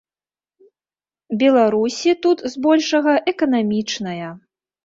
Беларусі тут збольшага эканамічная.